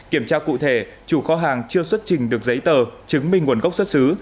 kiểm tra cụ thể chủ kho hàng chưa xuất trình được giấy tờ chứng minh nguồn gốc xuất xứ